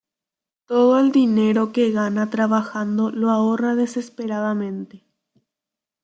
Todo el dinero que gana trabajando lo ahorra desesperadamente.